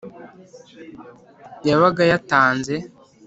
yabaga yatanze.